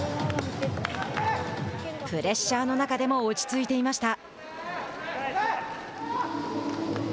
プレッシャーの中でも落ち着いていました。